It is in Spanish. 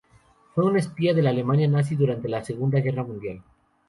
Fue una espía de la Alemania Nazi durante la Segunda Guerra Mundial.